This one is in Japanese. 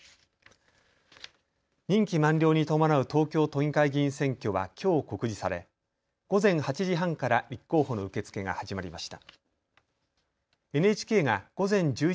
任期満了に伴う東京都議会議員選挙はきょう告示され午前８時半から立候補の受け付けが始まりました。